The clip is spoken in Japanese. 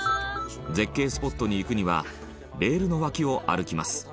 絶景スポットに行くにはレールの脇を歩きます